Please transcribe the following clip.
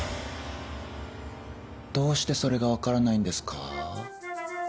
どうしてそれが分からないんですか？